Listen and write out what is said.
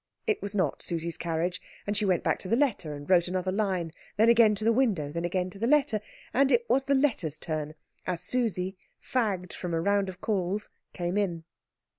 It was not Susie's carriage, and she went back to the letter and wrote another line; then again to the window; then again to the letter; and it was the letter's turn as Susie, fagged from a round of calls, came in.